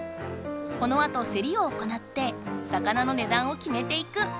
このあとせりを行って魚の値段をきめていく。